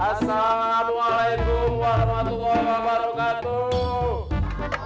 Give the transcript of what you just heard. assalamualaikum warahmatullahi wabarakatuh